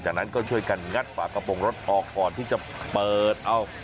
จากนั้นก็ช่วยกันงัดฝากระโปรงรถออกก่อนที่จะเปิดเอา